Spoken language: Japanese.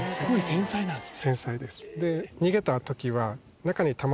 繊細です。